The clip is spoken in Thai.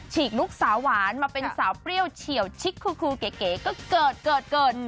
ฉกลูกสาวหวานมาเป็นสาวเปรี้ยวเฉียวชิกคูเก๋ก็เกิดเกิด